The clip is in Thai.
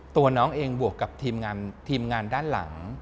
ตัวน้องเองบวกกับทีมงานด้านหลัง